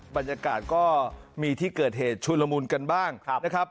บรรยากาศก็มีที่เกิดเหตุชุลมุนกันบ้างนะครับ